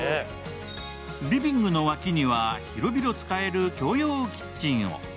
リビングの脇には、広々使える共用キッチンを。